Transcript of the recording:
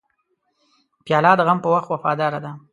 پیاله د غم په وخت وفاداره ده.